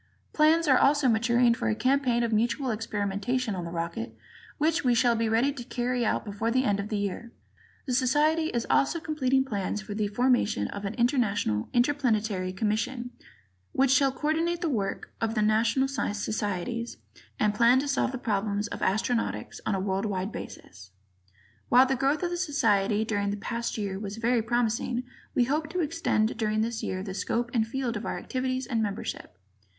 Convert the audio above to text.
Plans are also maturing for a campaign of mutual experimentation on the rocket which we shall be ready to carry out before the end of this year. The Society is also completing plans for the formation of an International Interplanetary Commission which shall coordinate the work of the national societies and plan to solve the problems of astronautics on a world wide basis. While the growth of the Society during the past year was very promising we hope to extend during this year the scope and field of our activities and membership.